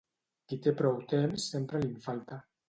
Qui té prou temps sempre li'n falta.